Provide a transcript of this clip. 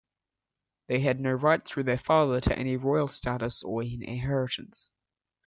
They had no rights through their father to any royal status or inheritance.